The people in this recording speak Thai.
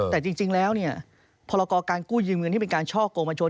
แต่จริงแล้วเนี่ยพรกรการกู้ยืมเงินที่เป็นการช่อกงมาชน